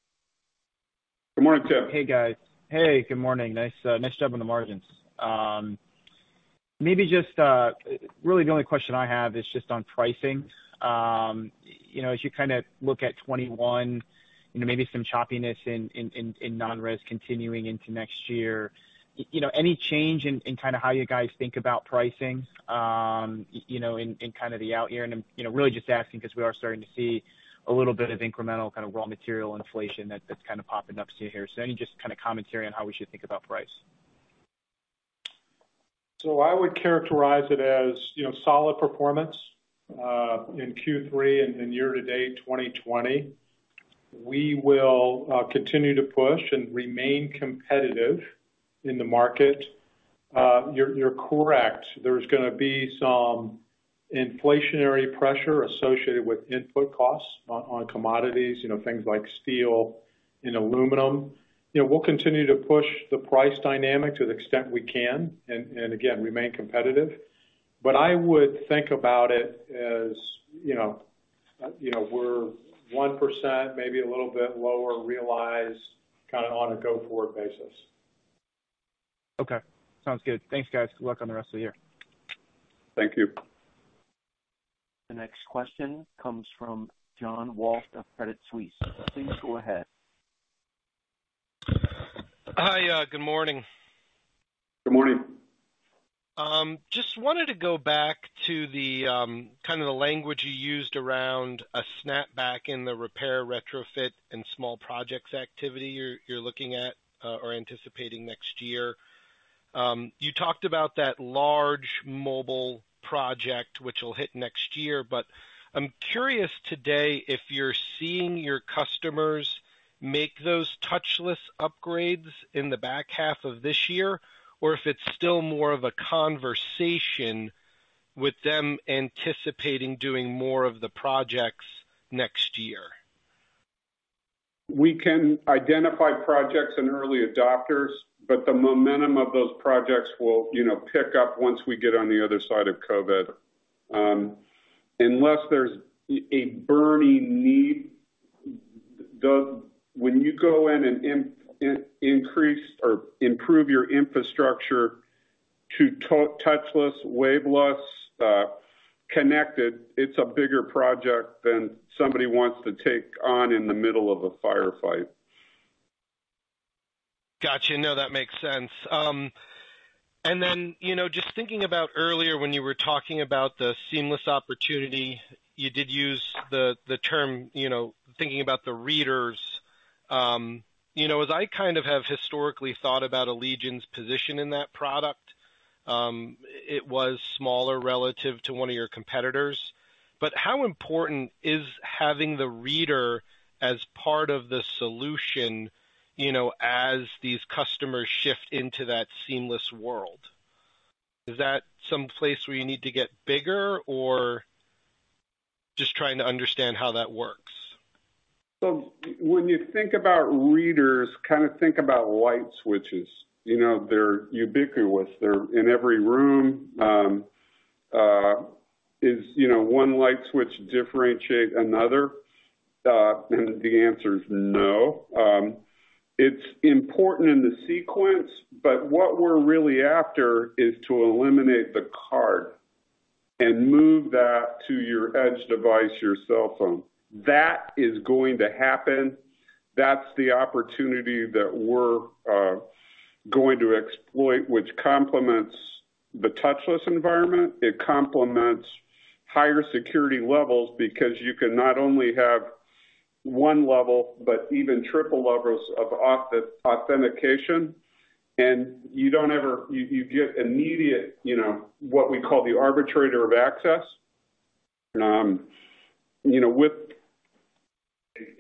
Good morning, Tim. Hey, guys. Hey, good morning. Nice job on the margins. Maybe just, really the only question I have is just on pricing. As you kind of look at 2021, maybe some choppiness in non-res continuing into next year, any change in kind of how you guys think about pricing in kind of the out year? I'm really just asking because we are starting to see a little bit of incremental kind of raw material inflation that's kind of popping up here. Any just kind of commentary on how we should think about price? I would characterize it as solid performance in Q3 and in year to date 2020. We will continue to push and remain competitive in the market. You're correct. There's going to be some inflationary pressure associated with input costs on commodities, things like steel and aluminum. We'll continue to push the price dynamic to the extent we can and again, remain competitive. I would think about it as we're one percent, maybe a little bit lower realized kind of on a go-forward basis. Okay. Sounds good. Thanks, guys. Good luck on the rest of the year. Thank you. The next question comes from John Walsh of Credit Suisse. Please go ahead. Hi. Good morning. Good morning. Just wanted to go back to the kind of the language you used around a snapback in the repair, retrofit, and small projects activity you're looking at or anticipating next year. I'm curious today if you're seeing your customers make those touchless upgrades in the back half of this year, or if it's still more of a conversation with them anticipating doing more of the projects next year? We can identify projects and early adopters, but the momentum of those projects will pick up once we get on the other side of COVID-19. Unless there's a burning need, when you go in and improve your infrastructure to touchless, waveless, connected, it's a bigger project than somebody wants to take on in the middle of a firefight. Got you. No, that makes sense. Just thinking about earlier when you were talking about the seamless opportunity, you did use the term, thinking about the readers. As I kind of have historically thought about Allegion's position in that product, it was smaller relative to one of your competitors. How important is having the reader as part of the solution, as these customers shift into that seamless world? Is that someplace where you need to get bigger? Just trying to understand how that works. When you think about readers, kind of think about light switches. They're ubiquitous. They're in every room. Does one light switch differentiate another? The answer is no. It's important in the sequence, but what we're really after is to eliminate the card and move that to your edge device, your cell phone. That is going to happen. That's the opportunity that we're going to exploit, which complements the touchless environment. It complements higher security levels because you can not only have one level, but even triple levels of authentication. You get immediate, what we call the arbitrator of access. With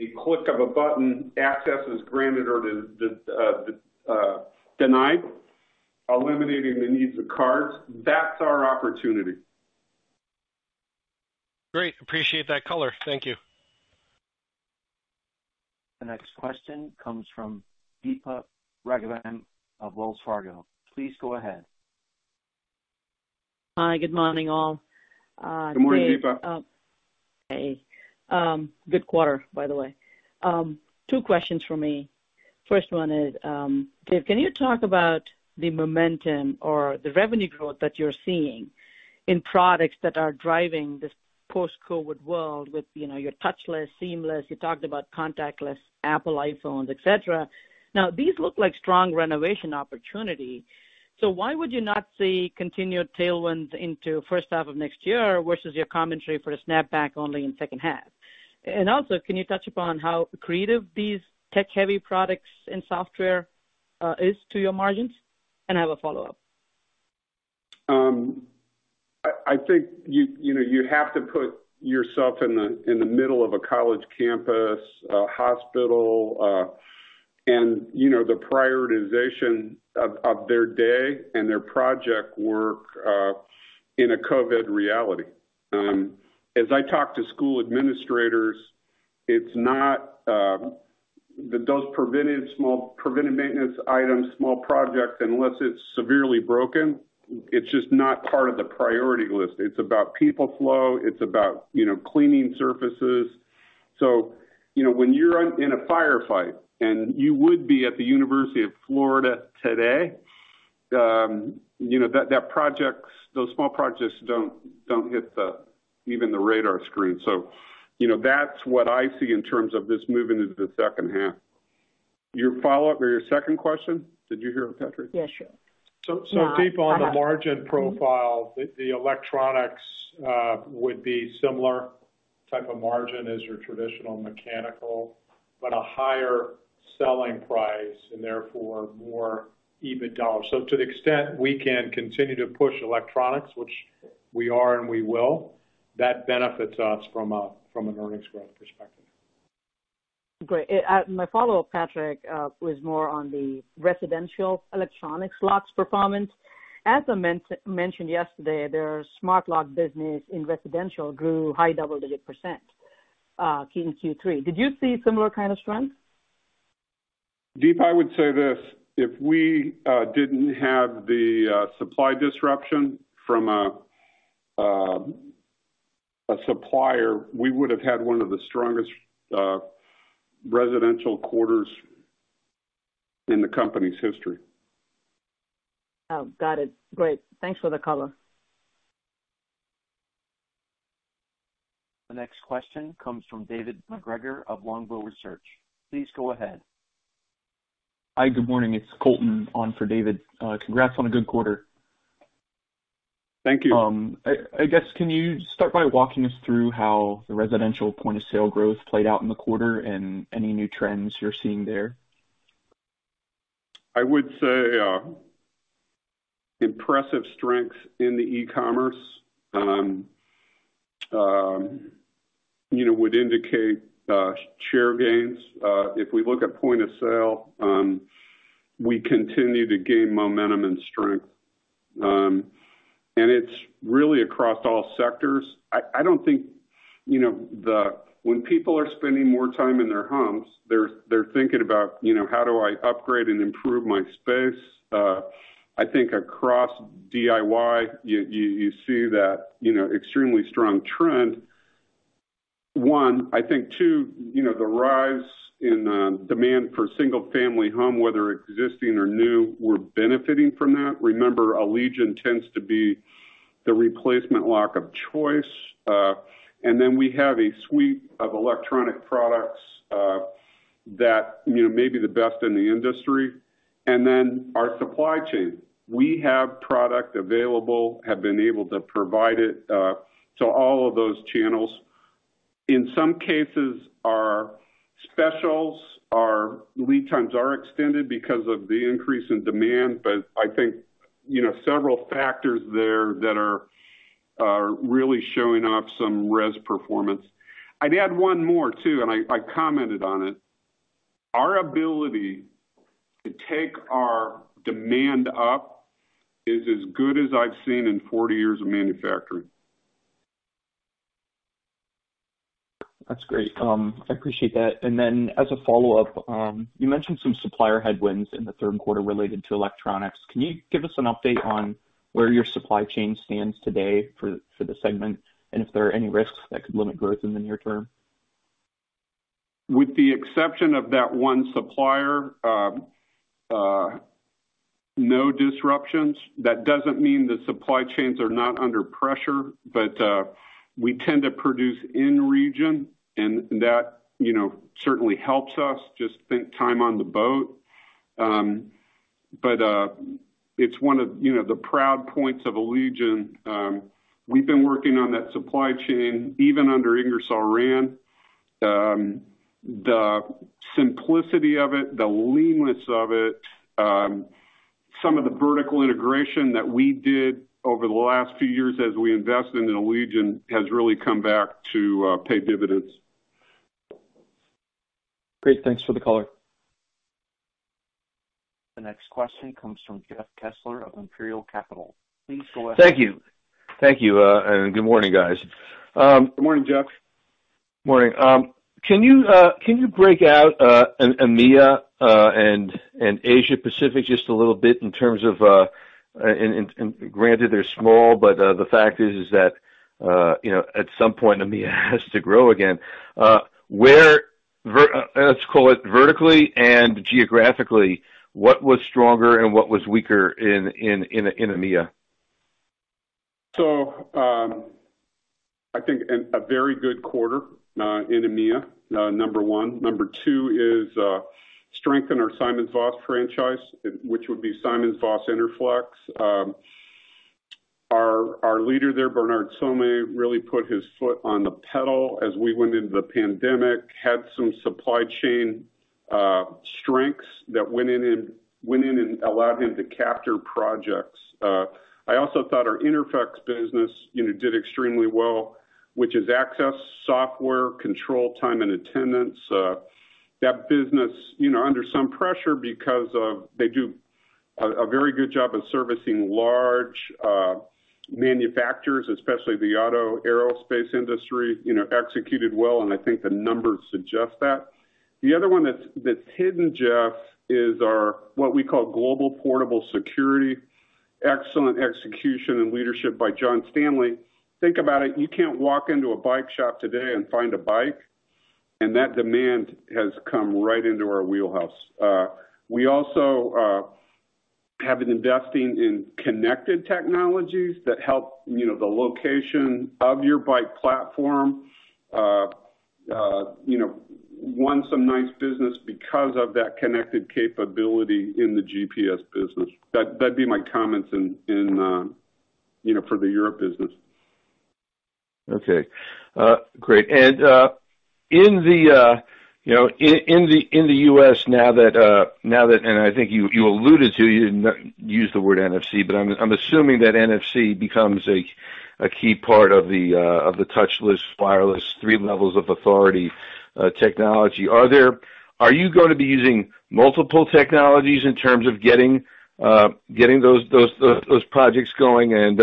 a click of a button, access is granted or denied, eliminating the needs of cards. That's our opportunity. Great. Appreciate that color. Thank you. The next question comes from Deepa Raghavan of Wells Fargo. Please go ahead. Hi. Good morning, all. Good morning, Deepa. Hey. Good quarter, by the way. Two questions from me. First one is, Dave, can you talk about the momentum or the revenue growth that you're seeing in products that are driving this post-COVID-19 world with your touchless, seamless, you talked about contactless, Apple iPhones, et cetera. These look like strong renovation opportunity. Why would you not see continued tailwinds into first half of next year versus your commentary for the snapback only in second half? Can you touch upon how accretive these tech-heavy products and software is to your margins? I have a follow-up. I think you have to put yourself in the middle of a college campus, a hospital, and the prioritization of their day and their project work in a COVID-19 reality. As I talk to school administrators, those preventive maintenance items, small projects, unless it's severely broken, it's just not part of the priority list. It's about people flow. It's about cleaning surfaces. When you're in a firefight, and you would be at the University of Florida today, those small projects don't hit even the radar screen. That's what I see in terms of this moving into the second half. Your follow-up or your second question, did you hear it, Patrick? Yeah, sure. Deepa, on the margin profile, the electronics would be similar type of margin as your traditional mechanical, but a higher selling price and therefore more EBIT dollars. To the extent we can continue to push electronics, which we are and we will, that benefits us from an earnings growth perspective. Great. My follow-up, Patrick, was more on the residential electronic locks performance. As I mentioned yesterday, their smart lock business in residential grew high double-digit % in Q3. Did you see similar kind of strength? Deepa, I would say this, if we didn't have the supply disruption from a supplier, we would have had one of the strongest residential quarters in the company's history. Oh, got it. Great. Thanks for the color. The next question comes from David MacGregor of Longbow Research. Please go ahead. Hi, good morning. It's Colton on for David. Congrats on a good quarter. Thank you. I guess, can you start by walking us through how the residential point-of-sale growth played out in the quarter and any new trends you're seeing there? I would say impressive strength in the e-commerce would indicate share gains. If we look at point-of-sale, we continue to gain momentum and strength. It's really across all sectors. I don't think, when people are spending more time in their homes, they're thinking about, "How do I upgrade and improve my space?" I think across DIY, you see that extremely strong trend, one. I think two, the rise in demand for single-family home, whether existing or new, we're benefiting from that. Remember, Allegion tends to be the replacement lock of choice. We have a suite of electronic products that may be the best in the industry. Our supply chain. We have product available, have been able to provide it to all of those channels. In some cases, our specials, our lead times are extended because of the increase in demand. I think several factors there that are really showing up some RES performance. I'd add one more, too, and I commented on it. Our ability to take our demand up is as good as I've seen in 40 years of manufacturing. That's great. I appreciate that. As a follow-up, you mentioned some supplier headwinds in the Q3 related to electronics. Can you give us an update on where your supply chain stands today for the segment? If there are any risks that could limit growth in the near term? With the exception of that one supplier, no disruptions. That doesn't mean the supply chains are not under pressure, but we tend to produce in region, and that certainly helps us, just spent time on the boat. It's one of the proud points of Allegion. We've been working on that supply chain, even under Ingersoll Rand. The simplicity of it, the leanness of it, some of the vertical integration that we did over the last few years as we invested in Allegion has really come back to pay dividends. Great. Thanks for the color. The next question comes from Jeff Kessler of Imperial Capital. Please go ahead. Thank you. Thank you, good morning, guys. Good morning, Jeff. Morning. Can you break out EMEIA and Asia Pacific just a little in terms of, and granted they're small, but the fact is that at some point EMEIA has to grow again. Where, let's call it vertically and geographically, what was stronger and what was weaker in EMEIA? I think a very good quarter in EMEIA, number one. Number two is strength in our SimonsVoss franchise, which would be SimonsVoss Interflex. Our leader there, Bernard Some, really put his foot on the pedal as we went into the pandemic, had some supply chain strengths that went in and allowed him to capture projects. I also thought our Interflex business did extremely well, which is access, software, control, time and attendance. That business, under some pressure because of they do a very good job of servicing large manufacturers, especially the auto, aerospace industry, executed well, and I think the numbers suggest that. The other one that's hidden, Jeff, is our what we call global portable security. Excellent execution and leadership by John Stanley. Think about it. You can't walk into a bike shop today and find a bike. That demand has come right into our wheelhouse. We also have been investing in connected technologies that help the location of your bike platform. Won some nice business because of that connected capability in the GPS business. That'd be my comments for the Europe business. Okay. Great, in the U.S. now that, and I think you alluded to, you didn't use the word NFC, but I'm assuming that NFC becomes a key part of the touchless, wireless, three levels of authority technology. Are you going to be using multiple technologies in terms of getting those projects going, and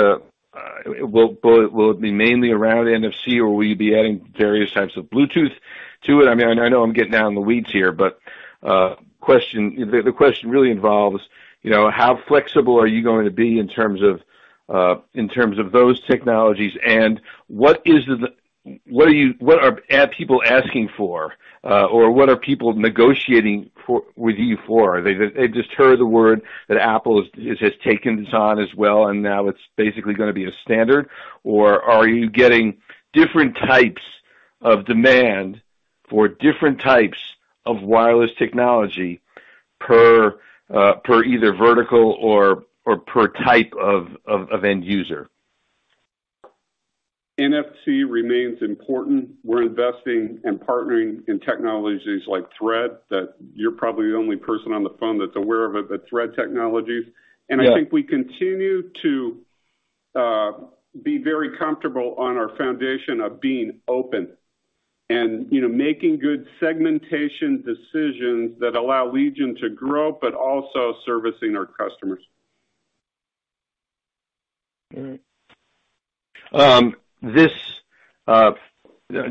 will it be mainly around NFC, or will you be adding various types of Bluetooth to it? I know I'm getting down in the weeds here, but the question really involves how flexible are you going to be in terms of those technologies, and what are people asking for? What are people negotiating with you for? I just heard the word that Apple has taken this on as well, now it's basically going to be a standard, or are you getting different types of demand for different types of wireless technology per either vertical or per type of end user? NFC remains important. We're investing and partnering in technologies like Thread, that you're probably the only person on the phone that's aware of it, but Thread technologies. Yeah. I think we continue to be very comfortable on our foundation of being open and making good segmentation decisions that allow Allegion to grow, but also servicing our customers. All right.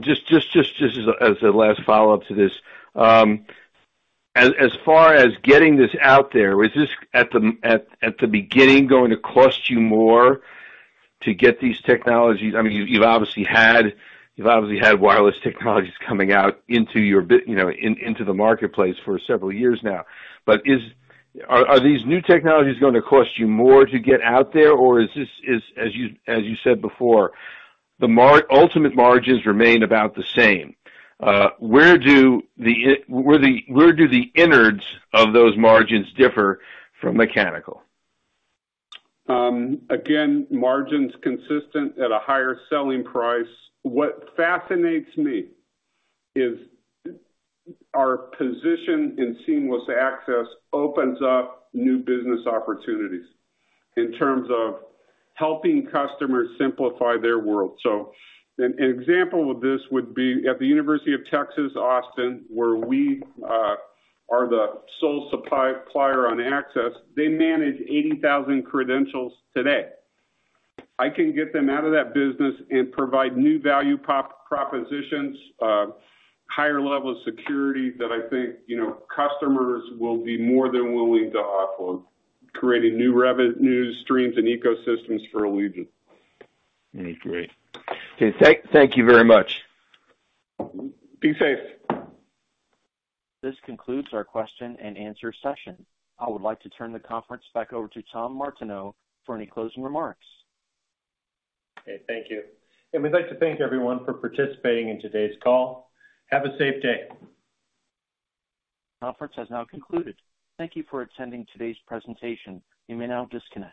Just as a last follow-up to this, as far as getting this out there, is this at the beginning going to cost you more to get these technologies? You've obviously had wireless technologies coming out into the marketplace for several years now. Are these new technologies going to cost you more to get out there? Is this, as you said before, the ultimate margins remain about the same? Where do the innards of those margins differ from mechanical? Again, margins consistent at a higher selling price. What fascinates me is our position in Seamless Access opens up new business opportunities in terms of helping customers simplify their world. An example of this would be at the University of Texas, Austin, where we are the sole supplier on access. They manage 80,000 credentials today. I can get them out of that business and provide new value propositions, higher level of security that I think customers will be more than willing to offer, creating new revenue streams and ecosystems for Allegion. Great. Okay, thank you very much. Be safe. This concludes our question and answer session. I would like to turn the conference back over to Tom Martineau for any closing remarks. Okay, thank you. We'd like to thank everyone for participating in today's call. Have a safe day. Conference has now concluded. Thank you for attending today's presentation. You may now disconnect.